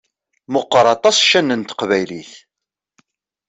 Meqqeṛ aṭas ccan n teqbaylit!